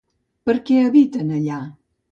Per què habiten allà?